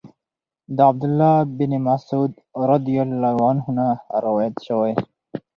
د عبد الله بن مسعود رضی الله عنه نه روايت شوی